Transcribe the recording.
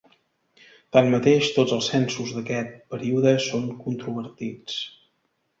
Tanmateix tots els censos d'aquest període són controvertits.